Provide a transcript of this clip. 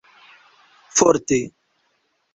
forte